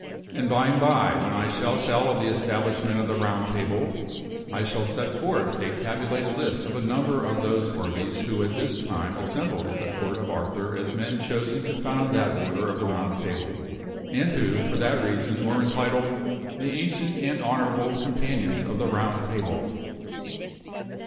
And by and by, when I shall tell of the establishment of the Round Table, I shall set forth a tabulated list of a number of those worthies who at this time assembled at the Court of Arthur as men chosen to found that order of the Round Table, and who, for that reason, were entitled " The Ancient and Honorable Companions of the Round Table."